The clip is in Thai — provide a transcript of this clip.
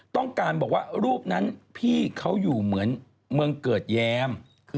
ทำไมว่าในรายการ